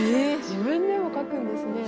自分でも描くんですね。